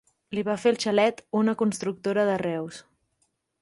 Li va fer el xalet una constructora de Reus.